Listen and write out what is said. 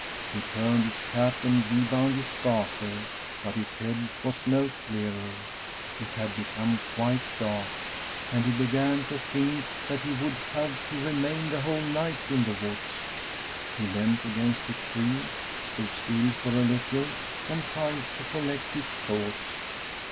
He turned his cap and rebound his garter, but his head was no clearer. It had become quite dark, and he began to think that he would have to re m^n the whole night in the woods. He leant against a tree, stood still for a little, and tried to collect his thoughts.